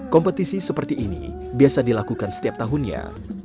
kompetisi seperti ini biasa dilakukan setiap tahunnya